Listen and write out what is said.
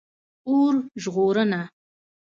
🚒 اور ژغورنه